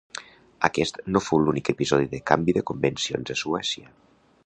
Aquest no fou l'únic episodi de canvi de convencions a Suècia.